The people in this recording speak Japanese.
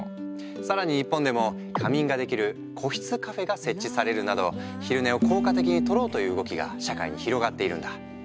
更に日本でも仮眠ができる個室カフェが設置されるなど昼寝を効果的にとろうという動きが社会に広がっているんだ。